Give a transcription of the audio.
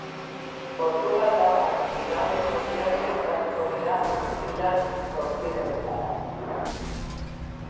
Portugaldarrak bigarren tokian sailkatuko dira final-zortzirenetara.